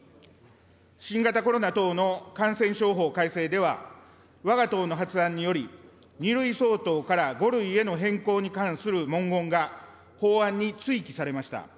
新型コロナ等の感染症法改正ではわが党の発案により、２類相当から５類への変更に関する文言が、法案に追記されました。